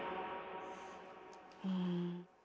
うん。